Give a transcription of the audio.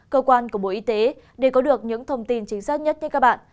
cơ quan của bộ y tế để có được những thông tin chính xác nhất cho các bạn